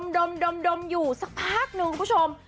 ดมอยู่สักพักนึงคุณผู้ชม